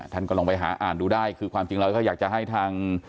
ท่านก็ลองไปหาอ่านดูได้คือความจริงเราก็อยากจะให้ทาง